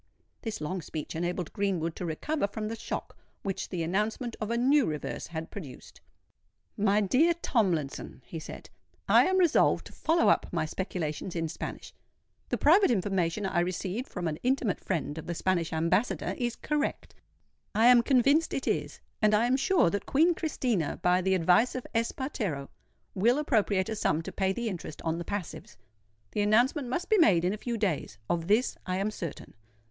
This long speech enabled Greenwood to recover from the shock which the announcement of a new reverse had produced. "My dear Tomlinson," he said, "I am resolved to follow up my speculations in Spanish. The private information I received from an intimate friend of the Spanish Ambassador is correct—I am convinced it is; and I am sure that Queen Christina, by the advice of Espartero, will appropriate a sum to pay the interest on the passives. The announcement must be made in a few days. Of this I am certain.